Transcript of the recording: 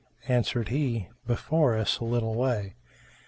Answered he, "Before us a little way."